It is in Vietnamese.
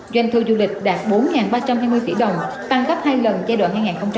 doanh thu du lịch đạt bốn ba trăm hai mươi tỷ đồng tăng gấp hai lần giai đoạn hai nghìn một mươi một hai nghìn một mươi năm